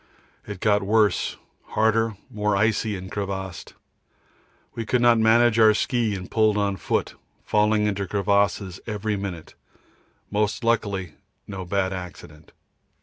It got worse, harder, more icy and crevassed. We could not manage our ski and pulled on foot, falling into crevasses every minute most luckily no bad accident.